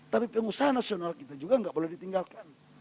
tapi pengusaha nasional kita juga nggak boleh ditinggalkan